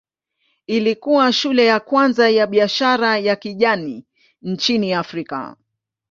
Ilikuwa shule ya kwanza ya biashara ya kijani nchini Afrika.